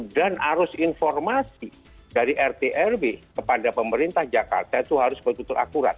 dan harus informasi dari rt rw kepada pemerintah jakarta itu harus betul betul akurat